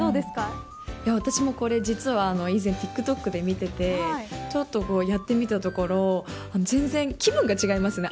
私もこれ実は以前ＴｉｋＴｏｋで見ていてちょっとやってみたところ全然、気分が違いますね。